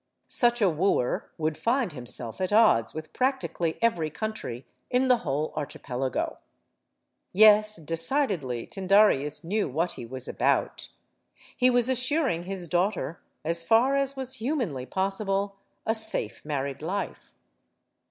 Such a wooer would find himself at odds with practically every country in the whole archipelago. Yes, decidedly Tyndareus knew what he was about. He was assuring his daughter as far as was humanly possible a safe married life.